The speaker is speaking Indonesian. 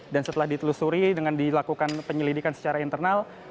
dan setelah ditelusuri dengan dilakukan penyelidikan secara internal